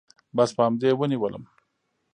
بس په همدې يې ونيولم.